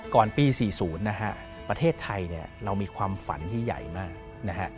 ก่อนปี๔๐ประเทศไทยเรามีความฝันที่ใหญ่มาก